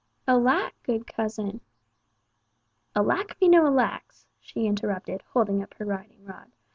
"Alack, good cousin!" "Alack me no alacks," she interrupted, holding up her riding rod.